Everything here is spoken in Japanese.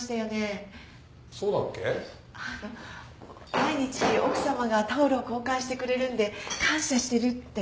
毎日奥さまがタオルを交換してくれるんで感謝してるって。